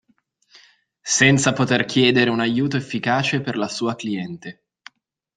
Senza poter chiedere un aiuto efficace per la sua cliente.